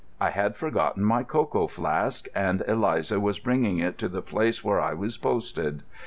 I had forgotten my cocoa flask and Eliza was bringing it to the place where I was posted.